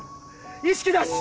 意識なし！